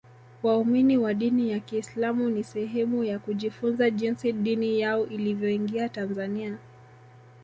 waumini wa dini ya kiislamu ni sehemu ya kujifunza jinsi dini yao ilivyoingia tanzania